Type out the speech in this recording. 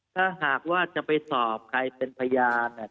ถ้าหากว่าจะไปสอบใครเป็นพยานเนี่ย